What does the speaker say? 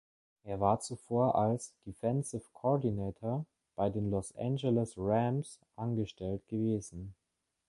Er war zuvor als Defensive Coordinator bei den Los Angeles Rams angestellt gewesen.